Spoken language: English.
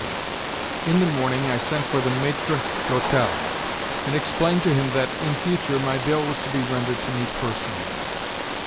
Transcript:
VII In the morning I sent for the maître d'hôtel, and explained to him that, in future, my bill was to be rendered to me personally.